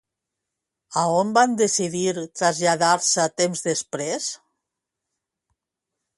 A on van decidir traslladar-se temps després?